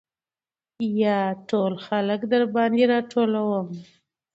يا ټول خلک درباندې راټولم .